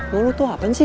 lo lu tuh apaan sih